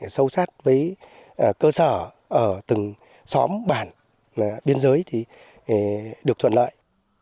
sâu sát với cơ sở ở từng xóm bản biên giới thì được thuận lợi